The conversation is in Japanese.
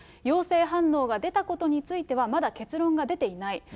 陽性反応が出たことについては、まだ結論が出ていない。